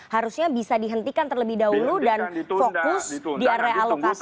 harusnya bisa dihentikan terlebih dahulu dan fokus di area alokasi